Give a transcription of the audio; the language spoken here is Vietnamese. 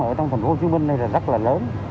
ở trong thành phố hồ chí minh này là rất là lớn